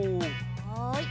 はい。